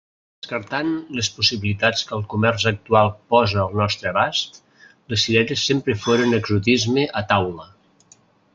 Descartant les possibilitats que el comerç actual posa al nostre abast, les cireres sempre foren exotisme a taula.